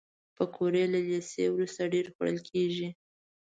پکورې له لیسې وروسته ډېرې خوړل کېږي